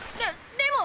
でも。